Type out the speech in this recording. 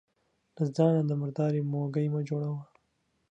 له ځانه د مرداري موږى مه جوړوه.